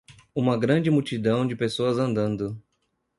Uma grande multidão de pessoas andando.